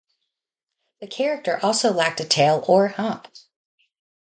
The character also lacked a tail or hump.